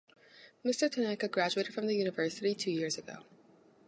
Mr. Tanaka graduated from the university two years ago.